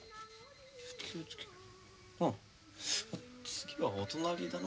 次はお隣だな。